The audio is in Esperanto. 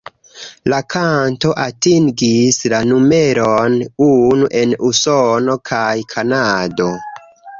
La kanto atingis la numeron unu en Usono kaj Kanado.